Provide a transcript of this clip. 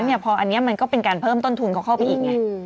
หรือเป็นการเพิ่มต้นทุนเขาอีกไหม